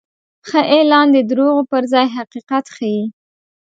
ښه اعلان د دروغو پر ځای حقیقت ښيي.